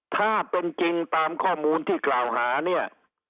ถ้าเป็นจริงตามข้อมูลที่กล่าวหาเนี่ย